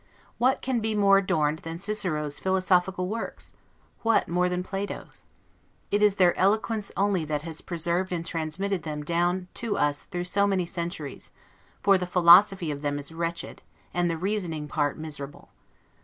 What can be more adorned than Cicero's Philosophical Works? What more than Plato's? It is their eloquence only that has preserved and transmitted them down to us through so many centuries; for the philosophy of them is wretched, and the reasoning part miserable.